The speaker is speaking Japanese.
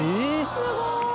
すごい。